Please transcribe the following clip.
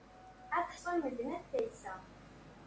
Ad ḥṣun medden ad t-ayseɣ.